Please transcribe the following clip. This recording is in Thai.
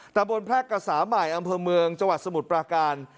ตะบนแพร่กษาใหม่อำเภอเมืองจังหวัดสมุทรปราการ